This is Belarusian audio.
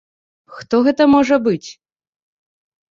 Хто гэта можа быць?